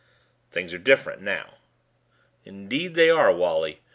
"Things are different now." "Indeed they are, Wally.